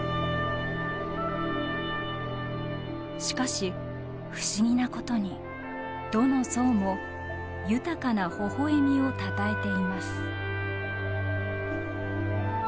しかし不思議なことにどの像も豊かなほほえみをたたえています。